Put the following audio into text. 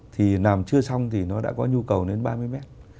thì làm chưa xong thì nó đã có nhu cầu đến ba mươi mét